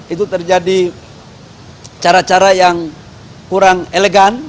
itu terjadi cara cara yang kurang elegan